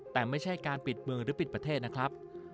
แต่ไม่ใช่การปิดมือหรือปิดประเทศนะครับ